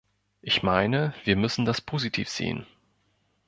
Ich meine, wir müssen das positiv sehen.